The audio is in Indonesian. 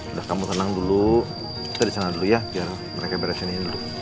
udah kamu tenang dulu kita di sana dulu ya biar mereka beresin ini dulu